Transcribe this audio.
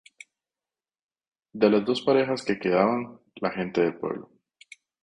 De las dos parejas que quedaban, la gente del pueblo.